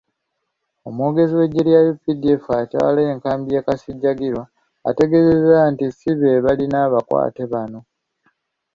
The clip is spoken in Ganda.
Omwogezi w'eggye lya UPDF atwala enkambi y'e Kasijjagirwa, yategeezezza nti ssi be balina abakwate bano.